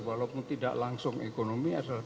walaupun tidak langsung ekonomi adalah